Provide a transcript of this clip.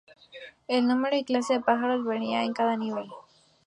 El número y clase de pájaros varía en cada nivel.